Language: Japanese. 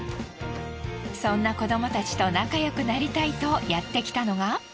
そんな子どもたちと仲よくなりたいとやってきたのが。